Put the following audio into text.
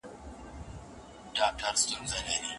مشوره باید له نا باوري کسانو سره ونه سي.